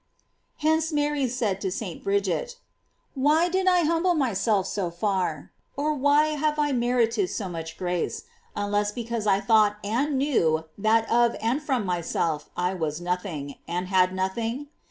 Hence Mary said to St. Bridget: "Why did I humble myself so far, or why have I mer ited so much grace, unless because I thought and knew that of and from myself I was nothing, and had nothing?